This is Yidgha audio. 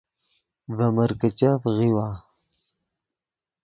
ڤے مرکیچف غیؤوا